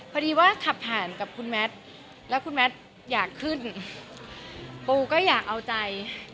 พอดีว่าขับผ่านกับคุณแมทแล้วคุณแมทอยากขึ้นปูก็อยากเอาใจ